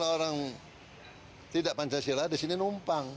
orang tidak pancasila di sini numpang